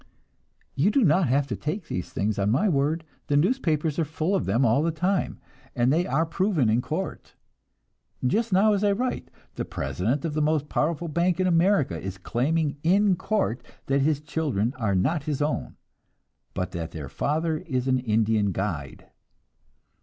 You do not have to take these things on my word; the newspapers are full of them all the time, and they are proven in court. Just now as I write, the president of the most powerful bank in America is claiming in court that his children are not his own, but that their father is an Indian guide.